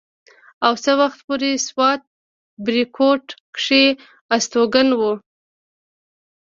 او څه وخته پورې سوات بريکوت کښې استوګن وو